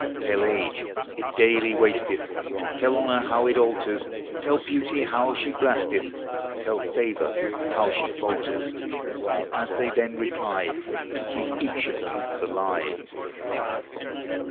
Tell age it daily wasteth ; Tell honor how it alters ; Tell beauty how she blasteth ; Tell favor how she falters ; And as they then reply, Give each of them the lye.